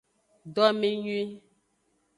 Domenyuie.